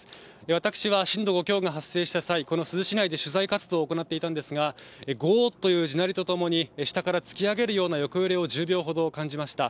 私は震度５強が発生した際、この珠洲市内で取材活動を行っていたんですが、ごーという地鳴りとともに、下から突き上げるような横揺れを１０秒ほど感じました。